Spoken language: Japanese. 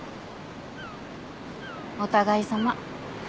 お互いさま。